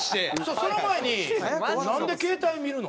その前になんで携帯見るの？